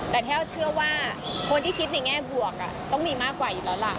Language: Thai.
แต่ถ้าเชื่อว่าคนที่คิดในแง่บวกต้องมีมากกว่าอยู่แล้วล่ะ